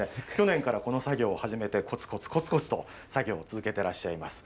去年からこの作業を始めて、こつこつこつこつと作業を続けていらっしゃいます。